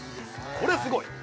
これはすごい！